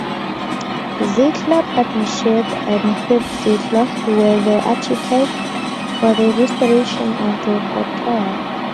Zeidler Partnership and Eb Zeidler were the architects for the restoration of the hotel.